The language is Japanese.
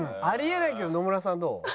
あり得ないけど野村さんどう？